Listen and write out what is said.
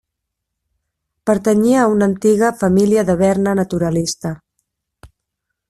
Pertanyia a una antiga família de Berna naturalista.